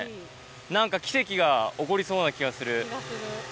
なんか、奇跡が起こりそうな気が気がする。